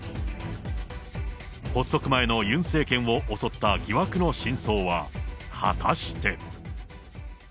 発足前のユン政権を襲った疑惑の真相は、果たして。